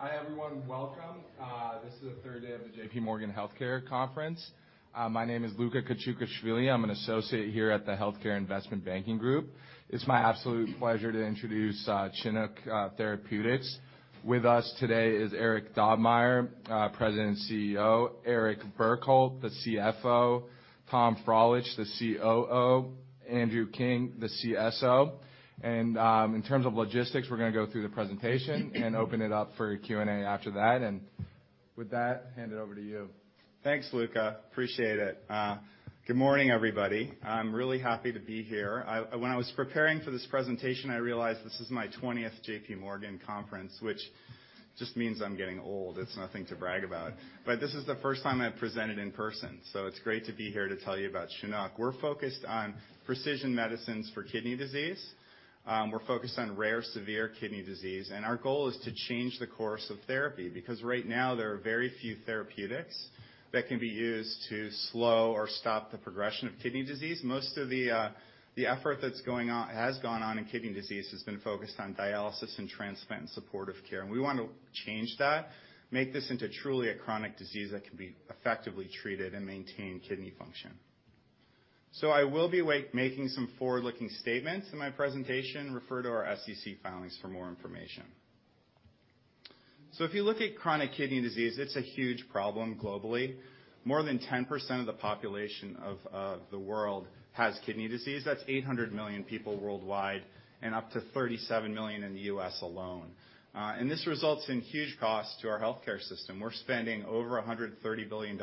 Hi, everyone. Welcome. This is the third day of the J.P. Morgan Healthcare Conference. My name is Luka Kachukhashvili. I'm an associate here at the Healthcare Investment Banking group. It's my absolute pleasure to introduce Chinook Therapeutics. With us today is Eric Dobmeier, President and CEO, Eric Dobmeier, the CFO, Tom Frohlich, the COO, Andrew King, the CSO. In terms of logistics, we're gonna go through the presentation and open it up for Q&A after that. With that, hand it over to you. Thanks, Luka. Appreciate it. Good morning, everybody. I'm really happy to be here. When I was preparing for this presentation, I realized this is my 20th J.P. Morgan conference, which just means I'm getting old. It's nothing to brag about. This is the 1st time I've presented in person, so it's great to be here to tell you about Chinook. We're focused on precision medicines for kidney disease. We're focused on rare severe kidney disease, and our goal is to change the course of therapy, because right now there are very few therapeutics that can be used to slow or stop the progression of kidney disease. Most of the effort that's gone on in kidney disease has been focused on dialysis and transplant and supportive care. We want to change that, make this into truly a chronic disease that can be effectively treated and maintain kidney function. I will be making some forward-looking statements in my presentation. Refer to our SEC filings for more information. If you look at chronic kidney disease, it's a huge problem globally. More than 10% of the population of the world has kidney disease. That's 800 million people worldwide and up to 37 million in the U.S. alone. This results in huge costs to our healthcare system. We're spending over $130 billion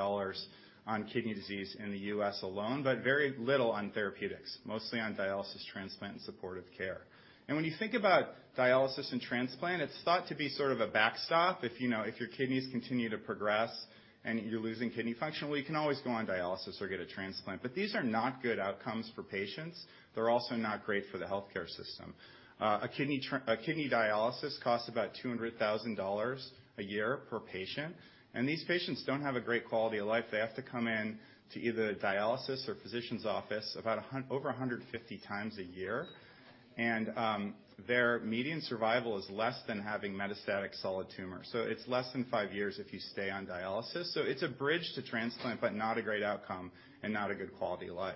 on kidney disease in the U.S. alone, but very little on therapeutics, mostly on dialysis, transplant, and supportive care. When you think about dialysis and transplant, it's thought to be sort of a backstop. If, you know, if your kidneys continue to progress and you're losing kidney function, well, you can always go on dialysis or get a transplant. These are not good outcomes for patients. They're also not great for the healthcare system. A kidney dialysis costs about $200,000 a year per patient, and these patients don't have a great quality of life. They have to come in to either a dialysis or physician's office about over 150 times a year. Their median survival is less than having metastatic solid tumor. It's less than 5 years if you stay on dialysis, so it's a bridge to transplant but not a great outcome and not a good quality of life.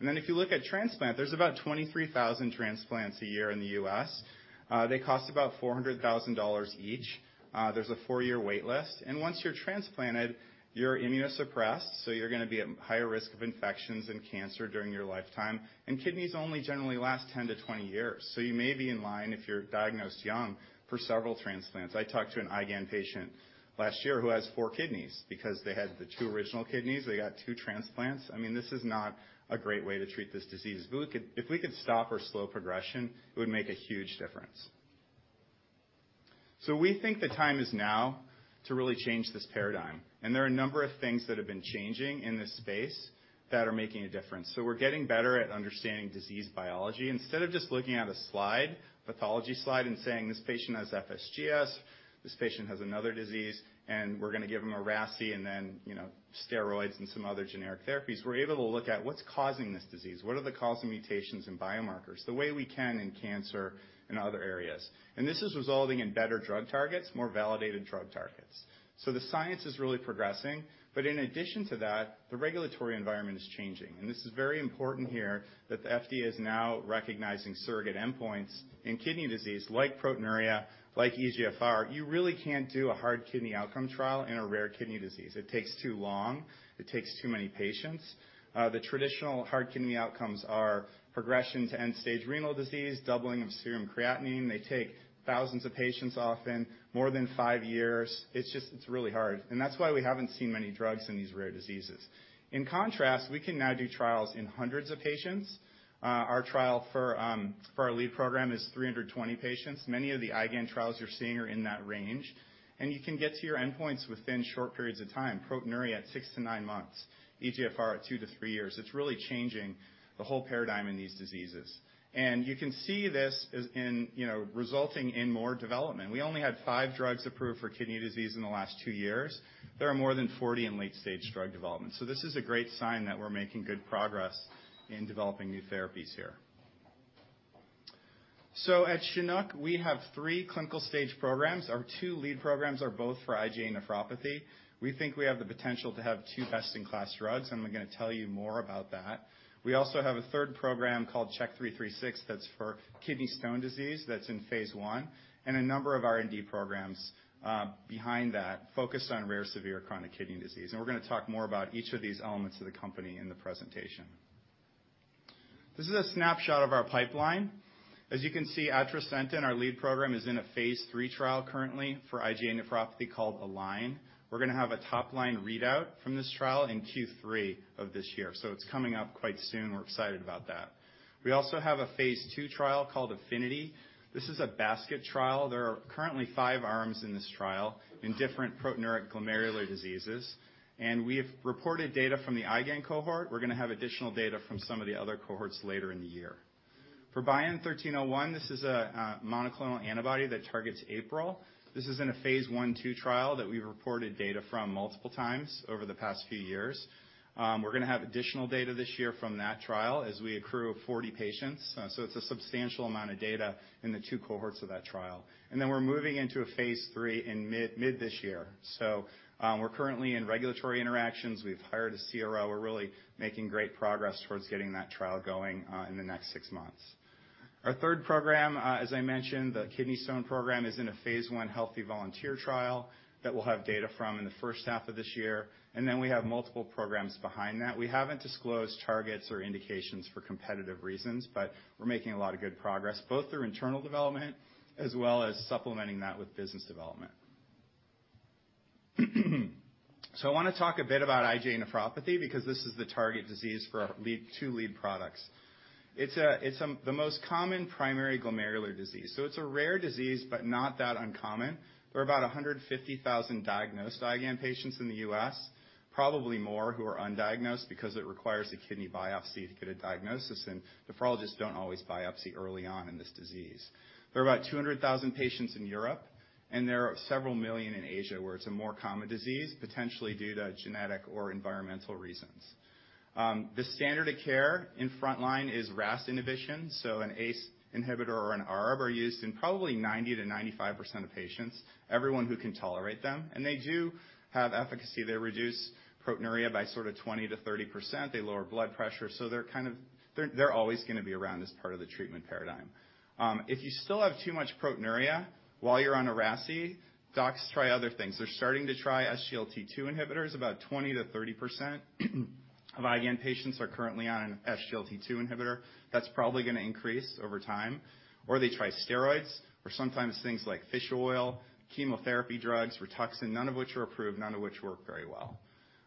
If you look at transplant, there's about 23,000 transplants a year in the U.S. They cost about $400,000 each. There's a four-year wait list. Once you're transplanted, you're immunosuppressed, so you're gonna be at higher risk of infections and cancer during your lifetime. Kidneys only generally last 10-20 years, so you may be in line if you're diagnosed young for several transplants. I talked to an IgAN patient last year who has four kidneys because they had the two original kidneys, they got two transplants. I mean, this is not a great way to treat this disease. If we could stop or slow progression, it would make a huge difference. We think the time is now to really change this paradigm, and there are a number of things that have been changing in this space that are making a difference. We're getting better at understanding disease biology. Instead of just looking at a slide, pathology slide, and saying, "This patient has FSGS, this patient has another disease, and we're gonna give them a RASi, and then, you know, steroids and some other generic therapies," we're able to look at what's causing this disease, what are the causal mutations and biomarkers, the way we can in cancer and other areas. This is resulting in better drug targets, more validated drug targets. The science is really progressing. In addition to that, the regulatory environment is changing. This is very important here that the FDA is now recognizing surrogate endpoints in kidney disease like proteinuria, like eGFR. You really can't do a hard kidney outcome trial in a rare kidney disease. It takes too long. It takes too many patients. The traditional hard kidney outcomes are progression to end-stage renal disease, doubling of serum creatinine. They take thousands of patients, often more than 5 years. It's just, it's really hard, and that's why we haven't seen many drugs in these rare diseases. In contrast, we can now do trials in hundreds of patients. Our trial for our lead program is 320 patients. Many of the IgAN trials you're seeing are in that range, and you can get to your endpoints within short periods of time. Proteinuria at 6-9 months, eGFR at 2-3 years. It's really changing the whole paradigm in these diseases. You can see this is in, you know, resulting in more development. We only had 5 drugs approved for kidney disease in the last 2 years. There are more than 40 in late-stage drug development, so this is a great sign that we're making good progress in developing new therapies here. At Chinook, we have 3 clinical-stage programs. Our 2 lead programs are both for IgA nephropathy. We think we have the potential to have 2 best-in-class drugs. We're going to tell you more about that. We also have a 3rd program called CHK-336 that's for kidney stone disease that's in phase I, and a number of R&D programs behind that focused on rare severe chronic kidney disease. We're going to talk more about each of these elements of the company in the presentation. This is a snapshot of our pipeline. As you can see, atrasentan, our lead program, is in a phase III trial currently for IgA nephropathy called ALIGN. We're going to have a top-line readout from this trial in Q3 of this year. It's coming up quite soon. We're excited about that. We also have a phase II trial called AFFINITY. This is a basket trial. There are currently five arms in this trial in different proteinuria glomerular diseases. We have reported data from the IgAN cohort. We're gonna have additional data from some of the other cohorts later in the year. For BION-1301, this is a monoclonal antibody that targets APRIL. This is in a phase I/2 trial that we reported data from multiple times over the past few years. We're gonna have additional data this year from that trial as we accrue 40 patients. It's a substantial amount of data in the 2 cohorts of that trial. We're moving into a phase III in mid this year. We're currently in regulatory interactions. We've hired a CRO. We're really making great progress towards getting that trial going in the next 6 months. Our third program, as I mentioned, the kidney stone program, is in a phase I healthy volunteer trial that we'll have data from in the first half of this year. We have multiple programs behind that. We haven't disclosed targets or indications for competitive reasons, but we're making a lot of good progress, both through internal development as well as supplementing that with business development. I wanna talk a bit about IgA nephropathy because this is the target disease for our lead, two lead products. It's the most common primary glomerular disease. It's a rare disease, but not that uncommon. There are about 150,000 diagnosed IgAN patients in the U.S., probably more who are undiagnosed because it requires a kidney biopsy to get a diagnosis, and nephrologists don't always biopsy early on in this disease. There are about 200,000 patients in Europe, and there are several million in Asia where it's a more common disease, potentially due to genetic or environmental reasons. The standard of care in front line is RAS inhibition, an ACE inhibitor or an ARB are used in probably 90%-95% of patients, everyone who can tolerate them. They do have efficacy. They reduce proteinuria by sort of 20%-30%. They lower blood pressure. They're kind of... They're always gonna be around as part of the treatment paradigm. If you still have too much proteinuria while you're on a RASi, docs try other things. They're starting to try SGLT2 inhibitors. About 20%-30% of IgAN patients are currently on an SGLT2 inhibitor. That's probably gonna increase over time. They try steroids or sometimes things like fish oil, chemotherapy drugs, Rituxan, none of which are approved, none of which work very well.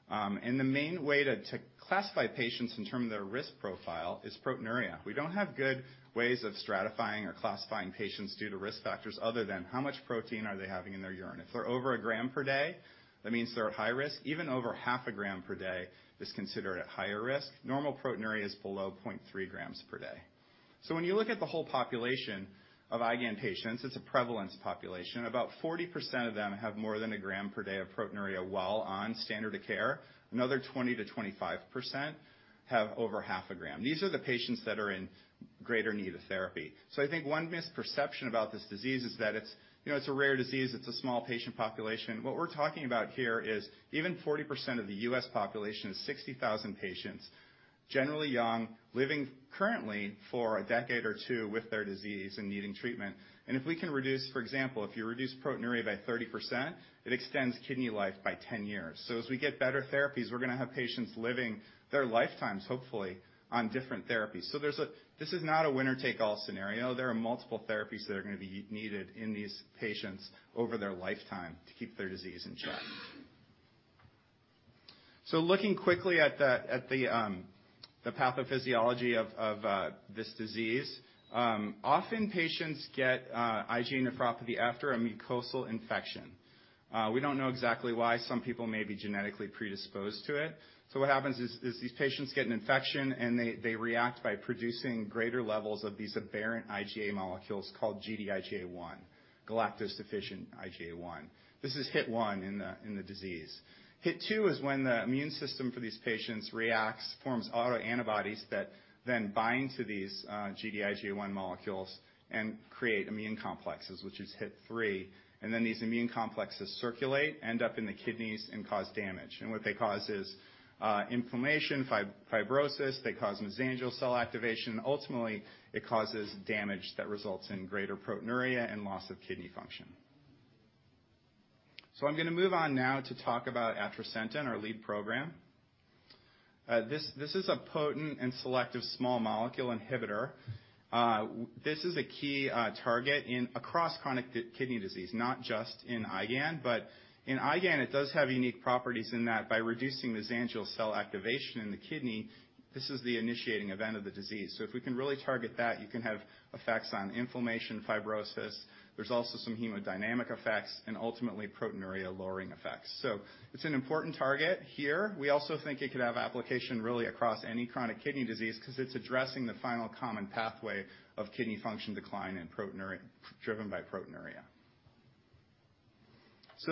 And the main way to classify patients in terms of their risk profile is proteinuria. We don't have good ways of stratifying or classifying patients due to risk factors other than how much protein are they having in their urine. If they're over 1 gram per day, that means they're at high risk. Even over half a gram per day is considered at higher risk. Normal proteinuria is below 0.3 grams per day. When you look at the whole population of IgAN patients, it's a prevalence population. About 40% of them have more than 1 gram per day of proteinuria while on standard of care. Another 20%-25% have over half a gram. These are the patients that are in greater need of therapy. I think one misperception about this disease is that it's, you know, it's a rare disease, it's a small patient population. What we're talking about here is even 40% of the U.S. population is 60,000 patients, generally young, living currently for a decade or two with their disease and needing treatment. If we can reduce, for example, if you reduce proteinuria by 30%, it extends kidney life by 10 years. As we get better therapies, we're gonna have patients living their lifetimes, hopefully, on different therapies. This is not a winner-take-all scenario. There are multiple therapies that are gonna be needed in these patients over their lifetime to keep their disease in check. Looking quickly at the pathophysiology of this disease, often patients get IgA nephropathy after a mucosal infection. We don't know exactly why some people may be genetically predisposed to it. What happens is these patients get an infection, and they react by producing greater levels of these aberrant IgA molecules called Gd-IgA1, galactose-deficient IgA1. This is hit 1 in the disease. Hit 2 is when the immune system for these patients reacts, forms autoantibodies that then bind to these Gd-IgA1 molecules and create immune complexes, which is hit 3. These immune complexes circulate, end up in the kidneys, and cause damage. What they cause is inflammation, fibrosis, they cause mesangial cell activation. Ultimately, it causes damage that results in greater proteinuria and loss of kidney function. I'm gonna move on now to talk about atrasentan, our lead program. This is a potent and selective small molecule inhibitor. This is a key target in across chronic kidney disease, not just in IgAN, but in IgAN, it does have unique properties in that by reducing mesangial cell activation in the kidney, this is the initiating event of the disease. If we can really target that, you can have effects on inflammation, fibrosis. There's also some hemodynamic effects and ultimately proteinuria lowering effects. It's an important target here. We also think it could have application really across any chronic kidney disease 'cause it's addressing the final common pathway of kidney function decline and proteinuria driven by proteinuria.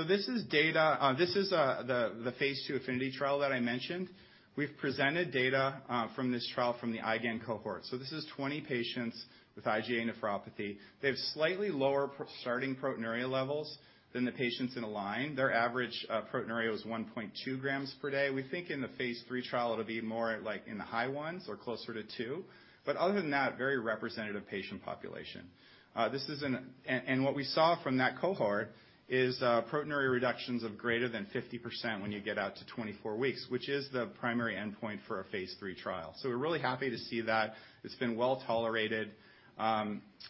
This is data. This is the phase II AFFINITY trial that I mentioned. We've presented data from this trial from the IgAN cohort. This is 20 patients with IgA nephropathy. They have slightly lower starting proteinuria levels than the patients in ALIGN. Their average proteinuria was 1.2 grams per day. We think in the phase III trial, it'll be more at like in the high ones or closer to 2. Other than that, very representative patient population. What we saw from that cohort is proteinuria reductions of greater than 50% when you get out to 24 weeks, which is the primary endpoint for a phase III trial. We're really happy to see that. It's been well-tolerated.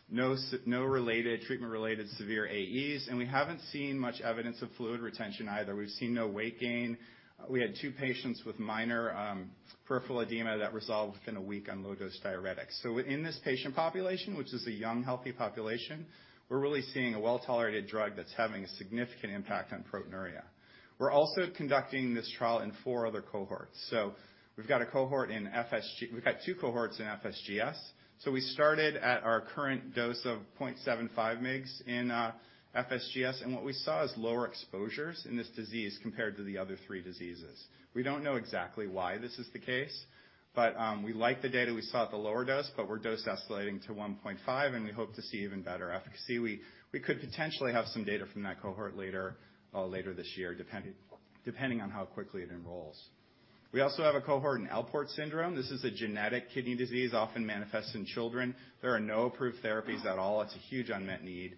No related, treatment-related severe AEs, and we haven't seen much evidence of fluid retention either. We've seen no weight gain. We had 2 patients with minor peripheral edema that resolved within a week on low-dose diuretics. Within this patient population, which is a young, healthy population, we're really seeing a well-tolerated drug that's having a significant impact on proteinuria. We're also conducting this trial in 4 other cohorts. We've got 2 cohorts in FSGS. We started at our current dose of 0.75 mg in FSGS, and what we saw is lower exposures in this disease compared to the other 3 diseases. We don't know exactly why this is the case, but we like the data we saw at the lower dose, but we're dose escalating to 1.5, and we hope to see even better efficacy. We could potentially have some data from that cohort later this year, depending on how quickly it enrolls. We also have a cohort in Alport syndrome. This is a genetic kidney disease, often manifests in children. There are no approved therapies at all. It's a huge unmet need.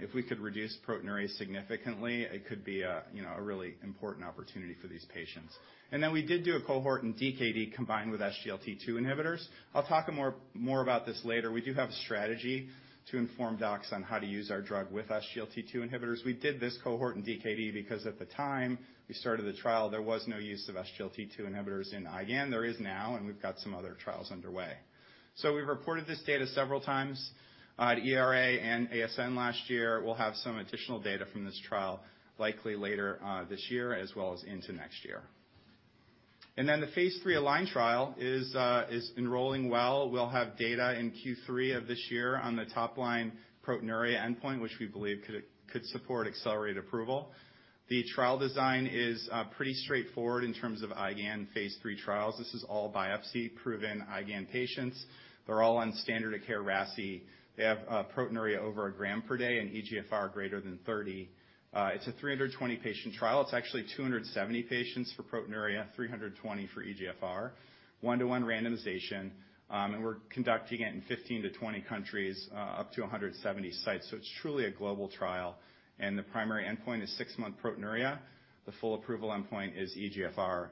If we could reduce proteinuria significantly, it could be a, you know, a really important opportunity for these patients. We did do a cohort in DKD combined with SGLT2 inhibitors. I'll talk more about this later. We do have a strategy to inform docs on how to use our drug with SGLT2 inhibitors. We did this cohort in DKD because at the time we started the trial, there was no use of SGLT2 inhibitors in IgAN. There is now, we've got some other trials underway. We've reported this data several times to ERA and ASN last year. We'll have some additional data from this trial likely later this year as well as into next year. The phase III ALIGN trial is enrolling well. We'll have data in Q3 of this year on the top line proteinuria endpoint, which we believe could support accelerated approval. The trial design is pretty straightforward in terms of IgAN phase III trials. This is all biopsy proven IgAN patients. They're all on standard of care RASi. They have proteinuria over 1 gram per day and eGFR greater than 30. It's a 320 patient trial. It's actually 270 patients for proteinuria, 320 for eGFR, 1-to-1 randomization. We're conducting it in 15-20 countries, up to 170 sites. It's truly a global trial. The primary endpoint is 6-month proteinuria. The full approval endpoint is eGFR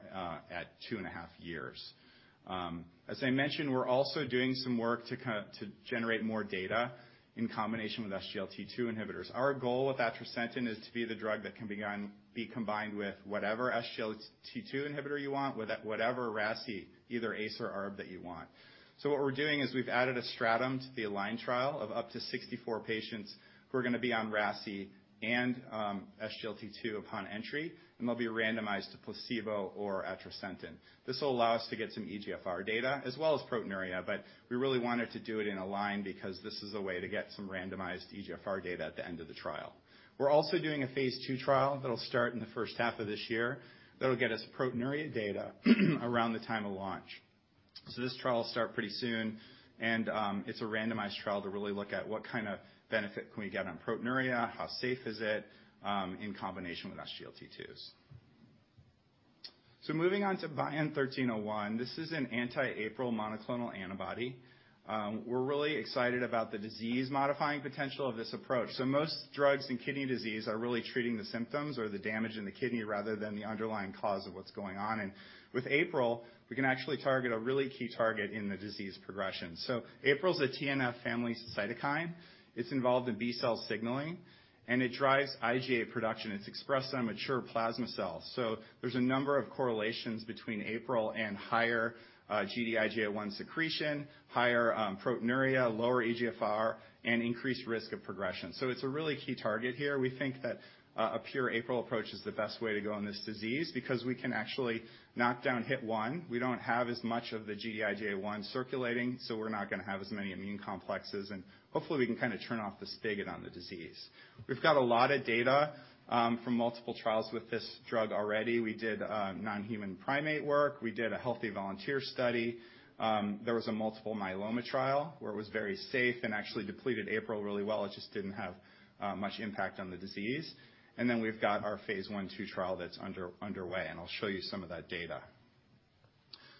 at 2.5 years. As I mentioned, we're also doing some work to generate more data in combination with SGLT2 inhibitors. Our goal with atrasentan is to be the drug that can be combined with whatever SGLT2 inhibitor you want, whatever RASi, either ACE or ARB that you want. What we're doing is we've added a stratum to the ALIGN trial of up to 64 patients who are gonna be on RASi and SGLT2 upon entry, and they'll be randomized to placebo or atrasentan. This will allow us to get some eGFR data as well as proteinuria, but we really wanted to do it in ALIGN because this is a way to get some randomized eGFR data at the end of the trial. We're also doing a phase II trial that'll start in the first half of this year that'll get us proteinuria data around the time of launch. This trial will start pretty soon, and it's a randomized trial to really look at what kind of benefit can we get on proteinuria, how safe is it, in combination with SGLT2s. Moving on to BION-1301. This is an anti-APRIL monoclonal antibody. We're really excited about the disease-modifying potential of this approach. Most drugs in kidney disease are really treating the symptoms or the damage in the kidney rather than the underlying cause of what's going on. With APRIL, we can actually target a really key target in the disease progression. APRIL is a TNF family cytokine. It's involved in B-cell signaling, and it drives IgA production. It's expressed on mature plasma cells. There's a number of correlations between APRIL and higher, Gd-IgA1 secretion, higher, proteinuria, lower eGFR, and increased risk of progression. It's a really key target here. We think that a pure APRIL approach is the best way to go on this disease because we can actually knock down HIT 1. We don't have as much of the Gd-IgA1 circulating, so we're not gonna have as many immune complexes, and hopefully, we can kinda turn off the spigot on the disease. We've got a lot of data from multiple trials with this drug already. We did a non-human primate work. We did a healthy volunteer study. There was a multiple myeloma trial where it was very safe and actually depleted APRIL really well. It just didn't have much impact on the disease. We've got our phase I/II trial that's underway, and I'll show you some of that data.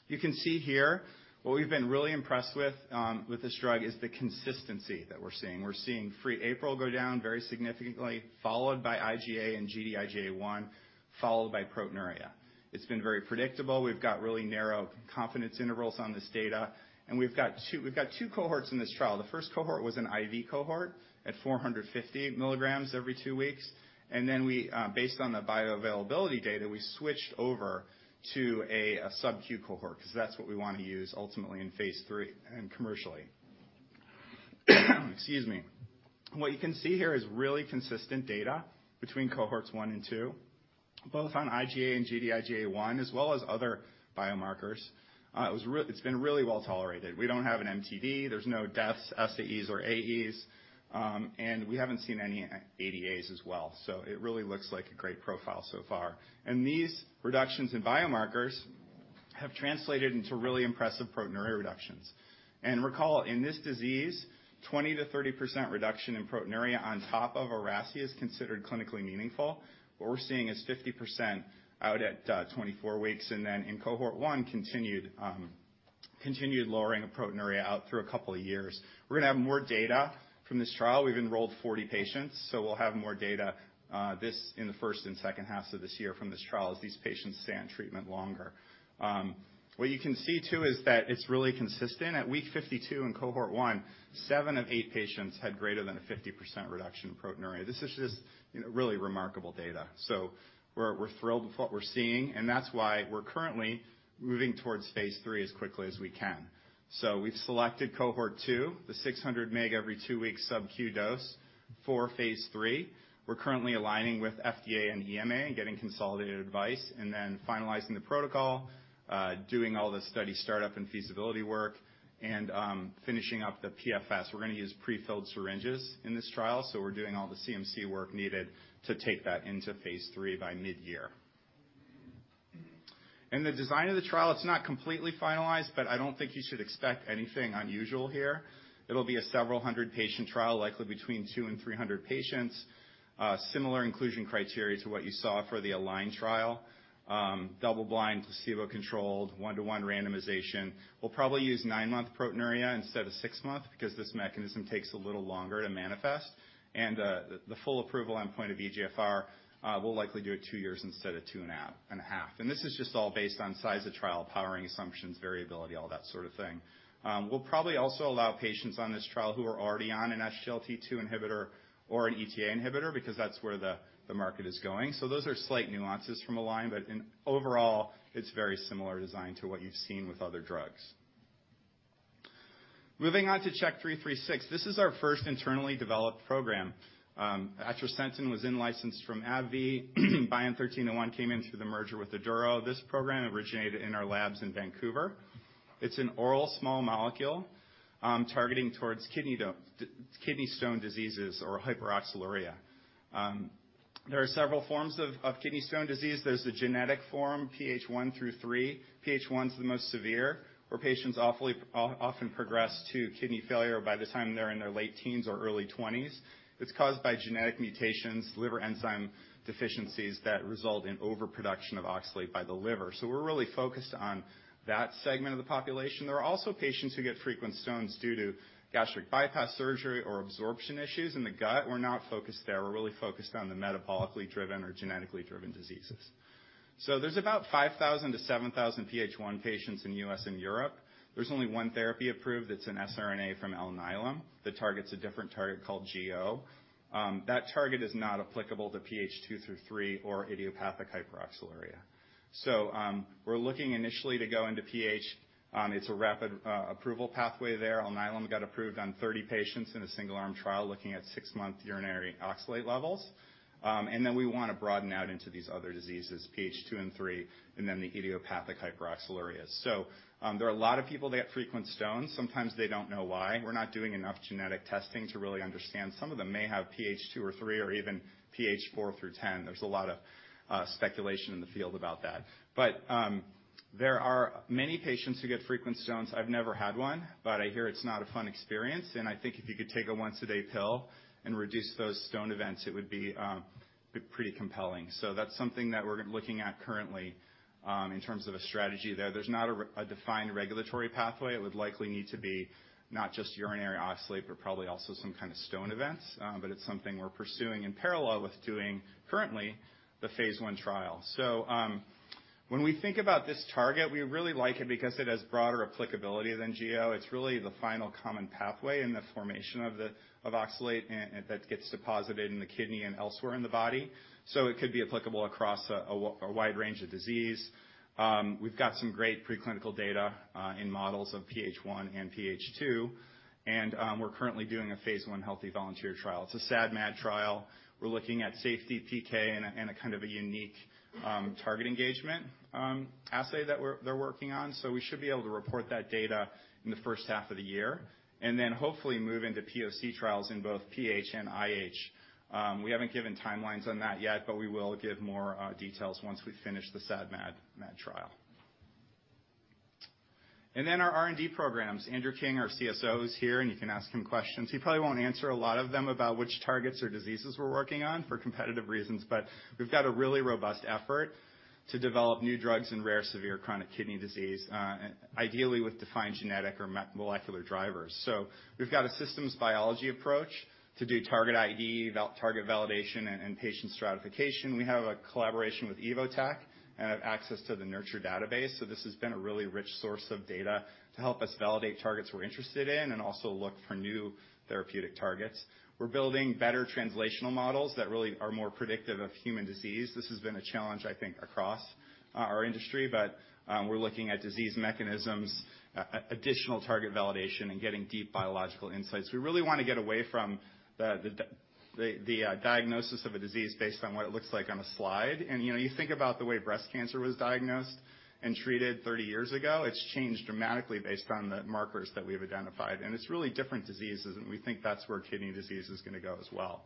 You can see here, what we've been really impressed with this drug is the consistency that we're seeing. We're seeing free APRIL go down very significantly, followed by IgA and Gd-IgA1, followed by proteinuria. It's been very predictable. We've got really narrow confidence intervals on this data. We've got 2 cohorts in this trial. The first cohort was an IV cohort at 450 milligrams every 2 weeks. We, based on the bioavailability data, we switched over to a subq cohort because that's what we wanna use ultimately in phase III and commercially. Excuse me. What you can see here is really consistent data between cohorts one and two, both on IgA and Gd-IgA1, as well as other biomarkers. It's been really well-tolerated. We don't have an MTD. There's no deaths, SAEs or AEs. We haven't seen any ADAs as well. It really looks like a great profile so far. These reductions in biomarkers have translated into really impressive proteinuria reductions. Recall, in this disease, 20%-30% reduction in proteinuria on top of a RASi is considered clinically meaningful. What we're seeing is 50% out at 24 weeks, and then in cohort 1, continued lowering of proteinuria out through a couple of years. We're gonna have more data from this trial. We've enrolled 40 patients, so we'll have more data this in the first and second halves of this year from this trial as these patients stay on treatment longer. What you can see, too, is that it's really consistent. At week 52 in cohort 1, 7 of 8 patients had greater than a 50% reduction in proteinuria. This is just, you know, really remarkable data. We're thrilled with what we're seeing, and that's why we're currently moving towards phase III as quickly as we can. We've selected cohort 2, the 600 mg every 2 weeks subq dose for phase III. We're currently aligning with FDA and EMA and getting consolidated advice, then finalizing the protocol, doing all the study startup and feasibility work and finishing up the PFS. We're gonna use prefilled syringes in this trial, so we're doing all the CMC work needed to take that into phase III by mid-year. The design of the trial, it's not completely finalized, but I don't think you should expect anything unusual here. It'll be a several hundred patient trial, likely between 200 and 300 patients. Similar inclusion criteria to what you saw for the ALIGN trial. Double blind, placebo-controlled, 1-to-1 randomization. We'll probably use 9-month proteinuria instead of 6-month because this mechanism takes a little longer to manifest. The full approval endpoint of eGFR, we'll likely do it 2 years instead of 2 and a half. This is just all based on size of trial, powering assumptions, variability, all that sort of thing. We'll probably also allow patients on this trial who are already on an SGLT2 inhibitor or an ETA inhibitor because that's where the market is going. Those are slight nuances from ALIGN, but in overall, it's very similar design to what you've seen with other drugs. Moving on to CHK-336. This is our first internally developed program. Atrasentan was in-licensed from AbbVie. BION-1301 came in through the merger with Aduro. This program originated in our labs in Vancouver. It's an oral small molecule, targeting towards kidney stone diseases or hyperoxaluria. There are several forms of kidney stone disease. There's the genetic form, PH 1 through 3. PH1's the most severe, where patients often progress to kidney failure by the time they're in their late teens or early 20s. It's caused by genetic mutations, liver enzyme deficiencies that result in overproduction of oxalate by the liver. We're really focused on that segment of the population. There are also patients who get frequent stones due to gastric bypass surgery or absorption issues in the gut. We're not focused there. We're really focused on the metabolically-driven or genetically-driven diseases. There's about 5,000 to 7,000 PH1 patients in the U.S. and Europe. There's only one therapy approved. It's an siRNA from Alnylam that targets a different target called GO. That target is not applicable to PH2 through 3 or idiopathic hyperoxaluria. We're looking initially to go into PH. It's a rapid approval pathway there. Alnylam got approved on 30 patients in a single-arm trial, looking at 6-month urinary oxalate levels. We wanna broaden out into these other diseases, PH 2 and 3, and then the idiopathic hyperoxalurias. There are a lot of people that get frequent stones. Sometimes they don't know why. We're not doing enough genetic testing to really understand. Some of them may have PH 2 or 3 or even PH 4 through 10. There's a lot of speculation in the field about that. There are many patients who get frequent stones. I've never had one, but I hear it's not a fun experience, and I think if you could take a once-a-day pill and reduce those stone events, it would be pretty compelling. That's something that we're looking at currently in terms of a strategy there. There's not a defined regulatory pathway. It would likely need to be not just urinary oxalate, but probably also some kind of stone events. It's something we're pursuing in parallel with doing currently the phase I trial. When we think about this target, we really like it because it has broader applicability than GO. It's really the final common pathway in the formation of oxalate and that gets deposited in the kidney and elsewhere in the body. It could be applicable across a wide range of disease. We've got some great preclinical data in models of PH 1 and PH 2. We're currently doing a phase I healthy volunteer trial. It's a SAD/MAD trial. We're looking at safety PK and a kind of a unique target engagement assay that they're working on. We should be able to report that data in the first half of the year, and then hopefully move into POC trials in both PH and IH. We haven't given timelines on that yet, but we will give more details once we finish the SAD/MAD trial. Our R&D programs. Andrew King, our CSO, is here, and you can ask him questions. He probably won't answer a lot of them about which targets or diseases we're working on for competitive reasons, but we've got a really robust effort to develop new drugs in rare, severe chronic kidney disease, ideally with defined genetic or molecular drivers. We've got a systems biology approach to do target ID, target validation and patient stratification. We have a collaboration with Evotec and have access to the NURTuRE database, so this has been a really rich source of data to help us validate targets we're interested in and also look for new therapeutic targets. We're building better translational models that really are more predictive of human disease. This has been a challenge, I think, across our industry, but we're looking at disease mechanisms, additional target validation, and getting deep biological insights. We really wanna get away from the diagnosis of a disease based on what it looks like on a slide. You know, you think about the way breast cancer was diagnosed and treated 30 years ago, it's changed dramatically based on the markers that we've identified, and it's really different diseases, and we think that's where kidney disease is gonna go as well.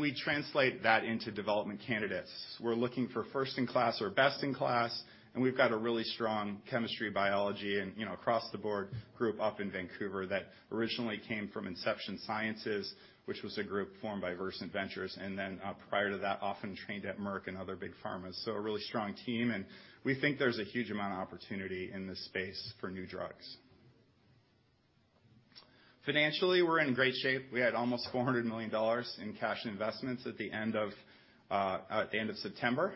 We translate that into development candidates. We're looking for first in class or best in class, and we've got a really strong chemistry, biology, and, you know, across the board group up in Vancouver that originally came from Inception Sciences, which was a group formed by Versant Ventures, and then, prior to that, often trained at Merck and other big pharmas. A really strong team, and we think there's a huge amount of opportunity in this space for new drugs. Financially, we're in great shape. We had almost $400 million in cash and investments at the end of, at the end of September.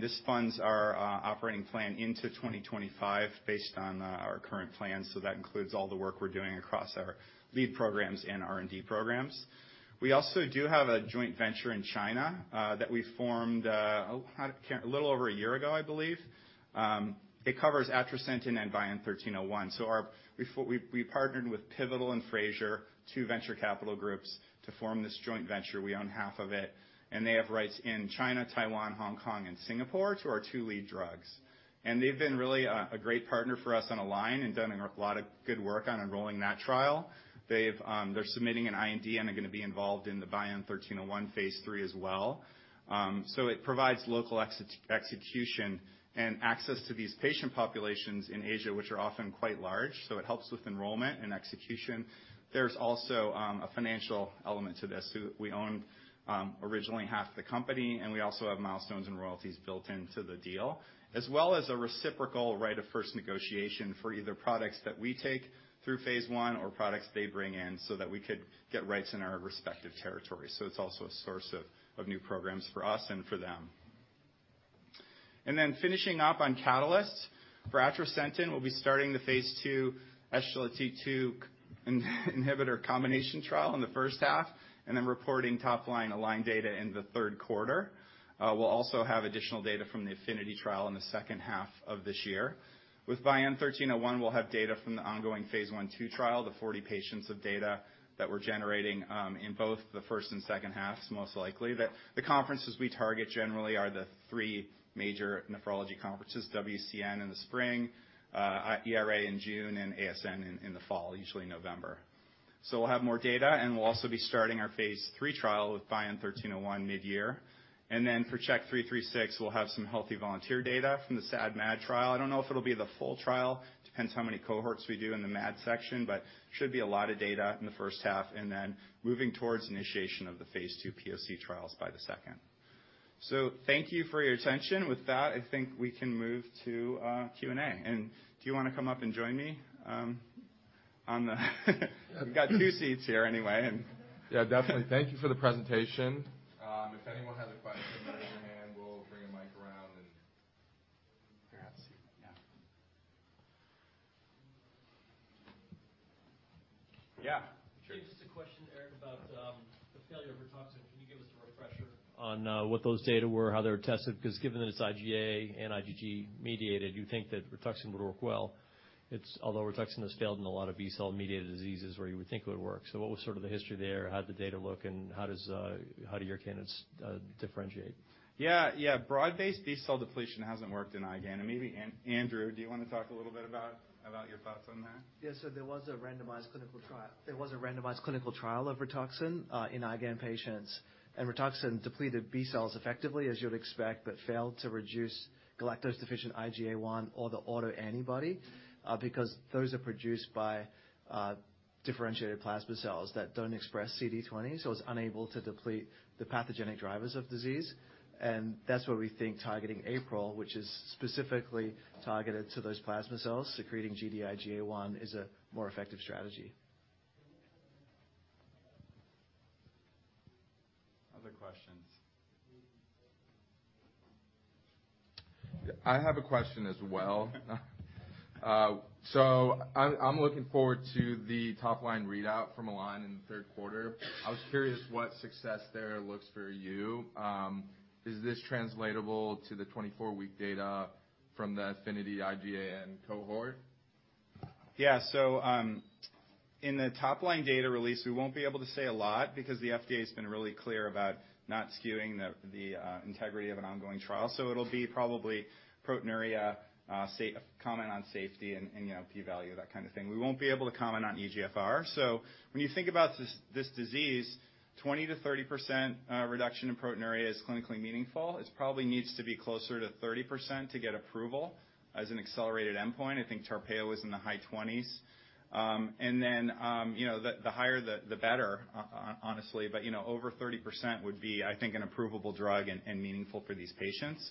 This funds our operating plan into 2025 based on our current plans. That includes all the work we're doing across our lead programs and R&D programs. We also do have a joint venture in China that we formed a little over a year ago, I believe. It covers atrasentan and BION-1301. Before we partnered with Pivotal bioVenture Partners China and Frazier Healthcare Partners, two venture capital groups, to form this joint venture. We own half of it, and they have rights in China, Taiwan, Hong Kong, and Singapore to our two lead drugs. They've been really a great partner for us on ALIGN and done a lot of good work on enrolling that trial. They've... They're submitting an IND and are gonna be involved in the BION-1301 phase III as well. It provides local execution and access to these patient populations in Asia, which are often quite large, so it helps with enrollment and execution. There's also a financial element to this. We own originally half the company, and we also have milestones and royalties built into the deal, as well as a reciprocal right of first negotiation for either products that we take through phase I or products they bring in so that we could get rights in our respective territories. It's also a source of new programs for us and for them. Finishing up on catalysts. For atrasentan, we'll be starting the phase II SGLT2 inhibitor combination trial in the first half and then reporting top line ALIGN data in the third quarter. We'll also have additional data from the AFFINITY trial in the second half of this year. With BION-1301, we'll have data from the ongoing phase I/II trial, the 40 patients of data that we're generating, in both the first and second halves, most likely. The conferences we target generally are the 3 major nephrology conferences, WCN in the spring, ERA in June, and ASN in the fall, usually November. We'll have more data, and we'll also be starting our phase III trial with BION-1301 mid-year. For CHK-336, we'll have some healthy volunteer data from the SAD/MAD trial. I don't know if it'll be the full trial. Depends how many cohorts we do in the MAD section, but should be a lot of data in the first half and then moving towards initiation of the phase II POC trials by the second. Thank you for your attention. With that, I think we can move to Q&A. Do you wanna come up and join me on the We've got two seats here anyway and Yeah, definitely. Thank you for the presentation. If anyone has a question, raise your hand. We'll bring a mic around and... Grab a seat. Yeah. Yeah. Just a question, Eric, about the failure of Rituxan. Can you give us a refresher on what those data were, how they were tested? Given that it's IgA and IgG mediated, you think that Rituxan would work well. although Rituxan has failed in a lot of B-cell mediated diseases where you would think it would work. What was sort of the history there? How'd the data look, and how do your candidates differentiate? Yeah. Yeah. Broad-based B-cell depletion hasn't worked in IgA. Maybe Andrew, do you wanna talk a little bit about your thoughts on that? There was a randomized clinical trial. There was a randomized clinical trial of Rituxan in IgA patients. Rituxan depleted B cells effectively, as you'd expect, but failed to reduce galactose-deficient IgA1 or the autoantibody because those are produced by differentiated plasma cells that don't express CD20, so it's unable to deplete the pathogenic drivers of disease. That's why we think targeting APRIL, which is specifically targeted to those plasma cells secreting gD-IgA1, is a more effective strategy. Other questions. I have a question as well. I'm looking forward to the top-line readout from ALIGN in the third quarter. I was curious what success there looks for you. Is this translatable to the 24-week data from the AFFINITY IgAN cohort? Yeah. In the top-line data release, we won't be able to say a lot because the FDA's been really clear about not skewing the integrity of an ongoing trial. It'll be probably proteinuria, comment on safety and, you know, P value, that kind of thing. We won't be able to comment on eGFR. When you think about this disease, 20%-30% reduction in proteinuria is clinically meaningful. It's probably needs to be closer to 30% to get approval as an accelerated endpoint. I think TARPEYO is in the high 20s. And then, you know, the higher the better honestly. You know, over 30% would be, I think, an approvable drug and meaningful for these patients.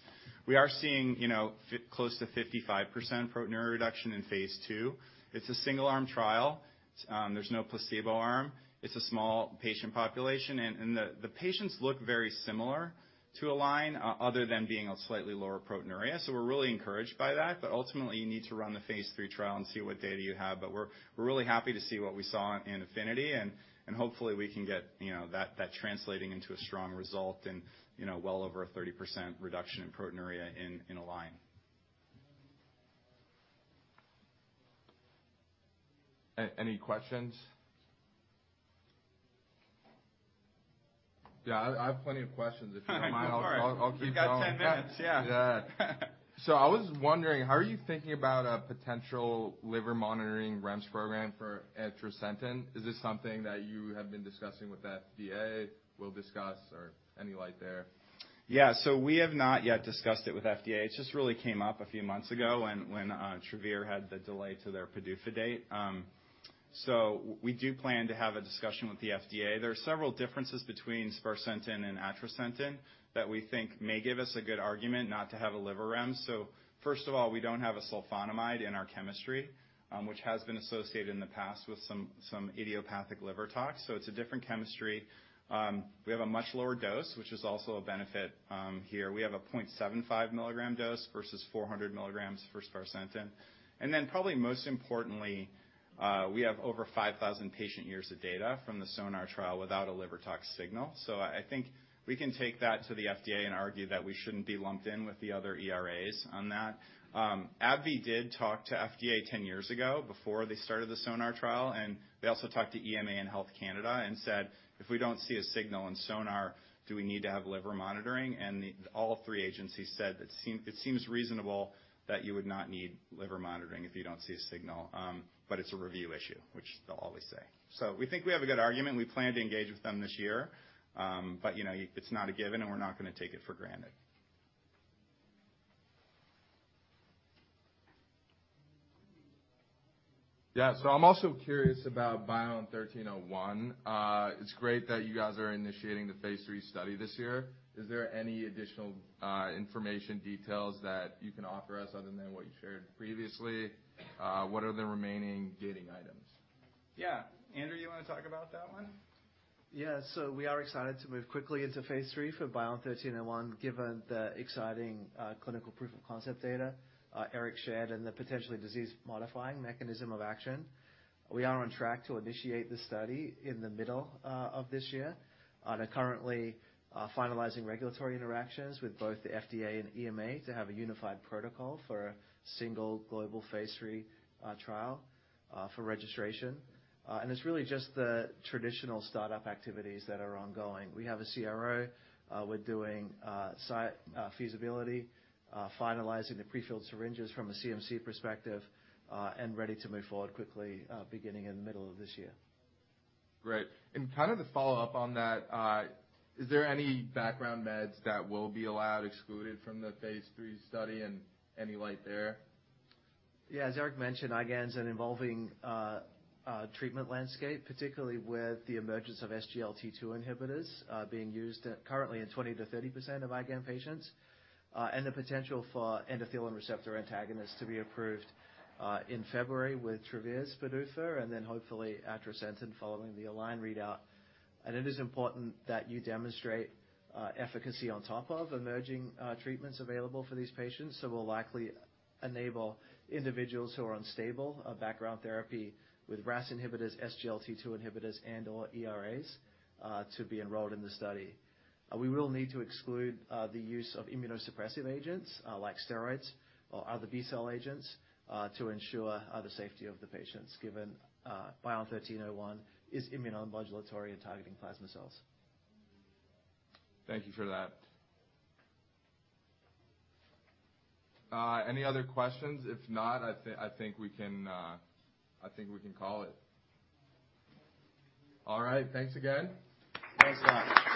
We are seeing, you know, close to 55% proteinuria reduction in phase II. It's a single arm trial. There's no placebo arm. It's a small patient population, and the patients look very similar to ALIGN other than being a slightly lower proteinuria, so we're really encouraged by that. Ultimately, you need to run the phase III trial and see what data you have. We're really happy to see what we saw in AFFINITY, and hopefully we can get, you know, that translating into a strong result and, you know, well over a 30% reduction in proteinuria in ALIGN. Any questions? Yeah, I have plenty of questions. If you don't mind. All right. I'll keep going. You've got 10 minutes. Yeah. Yeah. I was wondering, how are you thinking about a potential liver monitoring REMS program for atrasentan? Is this something that you have been discussing with the FDA, will discuss or any light there? We have not yet discussed it with FDA. It just really came up a few months ago when Travere had the delay to their PDUFA date. We do plan to have a discussion with the FDA. There are several differences between sparsentan and atrasentan that we think may give us a good argument not to have a liver REMS. First of all, we don't have a sulfonamide in our chemistry, which has been associated in the past with some idiopathic liver tox. It's a different chemistry. We have a much lower dose, which is also a benefit here. We have a 0.75 milligram dose versus 400 milligrams for sparsentan. Probably most importantly, we have over 5,000 patient years of data from the SONAR trial without a liver tox signal. I think we can take that to the FDA and argue that we shouldn't be lumped in with the other ERAs on that. AbbVie did talk to FDA 10 years ago before they started the SONAR trial, and they also talked to EMA and Health Canada and said, "If we don't see a signal in SONAR, do we need to have liver monitoring?" All three agencies said, "It seems reasonable that you would not need liver monitoring if you don't see a signal, but it's a review issue," which they'll always say. We think we have a good argument, and we plan to engage with them this year. You know, it's not a given, and we're not gonna take it for granted. Yeah. I'm also curious about BION-1301. It's great that you guys are initiating the phase III study this year. Is there any additional information, details that you can offer us other than what you shared previously? What are the remaining gating items? Yeah. Andrew, you wanna talk about that one? We are excited to move quickly into phase III for BION-1301, given the exciting clinical proof of concept data Eric shared and the potentially disease-modifying mechanism of action. We are on track to initiate the study in the middle of this year. They're currently finalizing regulatory interactions with both the FDA and EMA to have a unified protocol for a single global phase III trial for registration. It's really just the traditional startup activities that are ongoing. We have a CRO. We're doing site feasibility, finalizing the prefilled syringes from a CMC perspective and ready to move forward quickly beginning in the middle of this year. Great. Kind of to follow up on that, is there any background meds that will be allowed excluded from the phase III study and any light there? Yeah. As Eric mentioned, IgAN's an evolving treatment landscape, particularly with the emergence of SGLT2 inhibitors, being used currently in 20% to 30% of IgAN patients, and the potential for endothelin receptor antagonists to be approved in February with Travere's PDUFA and then hopefully atrasentan following the ALIGN readout. It is important that you demonstrate efficacy on top of emerging treatments available for these patients, so we'll likely enable individuals who are unstable of background therapy with RAS inhibitors, SGLT2 inhibitors, and/or ERAs, to be enrolled in the study. We will need to exclude the use of immunosuppressive agents, like steroids or other B-cell agents, to ensure the safety of the patients, given BION-1301 is immunomodulatory in targeting plasma cells. Thank you for that. Any other questions? If not, I think we can call it. All right. Thanks again. Thanks a lot.